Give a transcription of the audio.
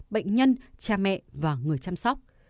bệnh nhân cha mẹ và người chăm sóc